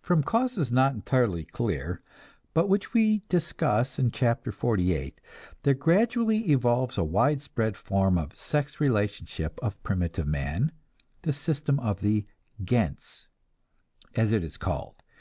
From causes not entirely clear, but which we discuss in Chapter XLVIII, there gradually evolves a widespread form of sex relationship of primitive man, the system of the "gens," as it is called.